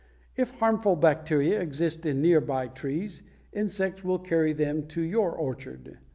If harmful bacteria exist in near by trees, insects will carry them to your orchard.